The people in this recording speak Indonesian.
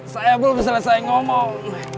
saya belum selesai ngomong